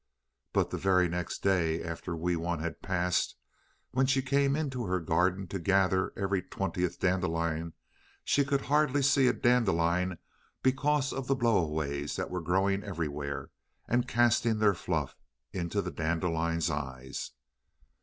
But the very next day after Wee Wun had passed, when she came into her garden to gather every twentieth dandelion she could hardly see a dandelion because of the blow aways that were growing everywhere, and casting their fluff into the dandelions' eyes.